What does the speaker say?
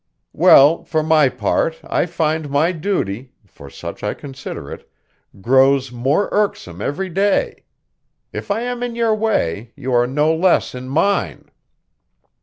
"Well, for my part, I find my duty for such I consider it grows more irksome every day. If I am in your way, you are no less in mine.